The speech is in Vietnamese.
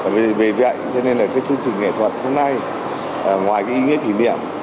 vì vậy chương trình nghệ thuật hôm nay ngoài ý nghĩa kỷ niệm